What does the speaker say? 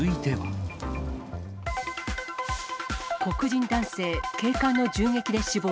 黒人男性、警官の銃撃で死亡。